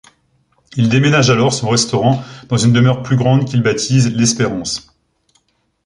Il déménage alors son restaurant dans une demeure plus grande qu'il baptise L'Espérance.